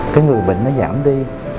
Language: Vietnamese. cái người bệnh nó giảm đi